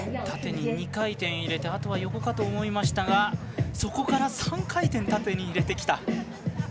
縦に２回転を入れてあとは横かと思いましたがそこから３回転、縦に入れてきた。